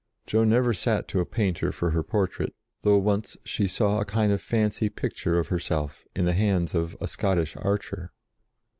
Joan never sat to a painter for her portrait, though once she saw a kind of fancy picture of herself in the hands of a Scottish archer.